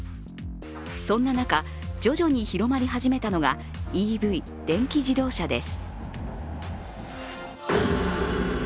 そんな中、徐々に広がり始めたのがＥＶ＝電気自動車です。